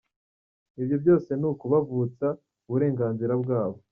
Ibyo byose ni ukubavutsa uburenganzira bwabo."